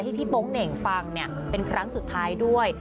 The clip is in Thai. พี่โป๊งเหน่งฟังเป็นครั้งสุดท้ายด้วย